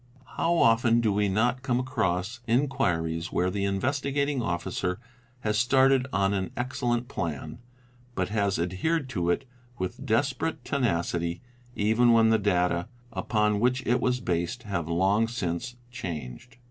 How often do we not come across inquiries where the Investigating Officer has started on an excellent plan, but has adhered to it with desperate tenacity even when the data upon which it was based have long since changed.